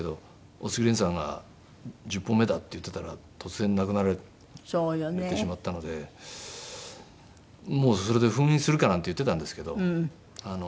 大杉さんが１０本目だって言ってたら突然亡くなられてしまったのでもうそれで封印するかなんて言ってたんですけど